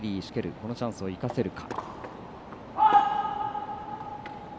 このチャンスを生かせるか。